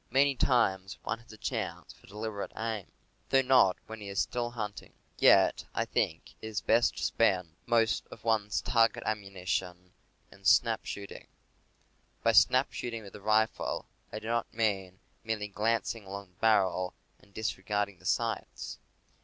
Many times one has a chance for deliberate aim (though not often when he is still hunting). Yet I think it is best to spend most of one's target ammunition in snap shooting. By snap shooting with the rifle I do not mean merely glancing along the barrel and disregard ing the sights.